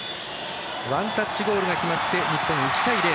ワンタッチゴールが決まって日本１対０。